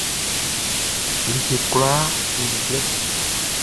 Like kwlaa le i blɛ.